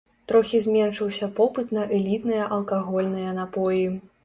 Трохі зменшыўся попыт на элітныя алкагольныя напоі.